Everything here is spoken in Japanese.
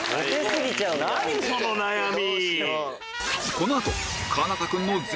何⁉その悩み！